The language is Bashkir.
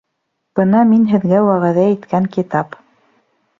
Бына мин һеҙгә вәғәҙә иткән китап